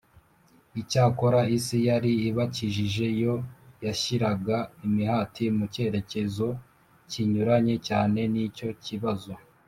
Icyakora isi yari ibakikije yo yashyiraga imihati mu cyerekezo kinyuranye cyane n icyo kibazo